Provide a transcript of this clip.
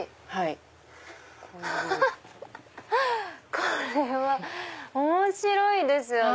これは面白いですよね。